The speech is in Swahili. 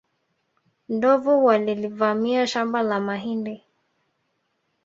Ndovu walilivamia shamba la mahindi